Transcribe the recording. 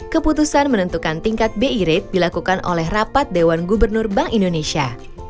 keputusan menentukan tingkat bi rate dilakukan oleh rapat dewan gubernur bank indonesia